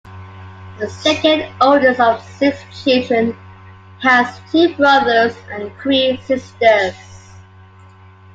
The second oldest of six children, he has two brothers and three sisters.